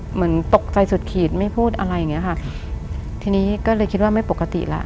เหมือนตกใจสุดขีดไม่พูดอะไรอย่างเงี้ยค่ะทีนี้ก็เลยคิดว่าไม่ปกติแล้ว